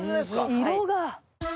色が！